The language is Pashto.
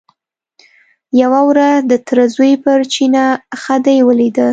یوه ورځ د تره زوی پر چینه خدۍ ولیده.